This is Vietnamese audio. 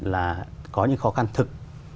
là có những khó khăn thực